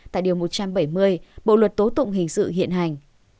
tại điều một trăm bảy mươi bộ luật tố tụng hình sự hiện hành